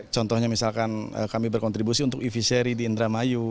contohnya misalkan kami berkontribusi untuk ev seri di indramayu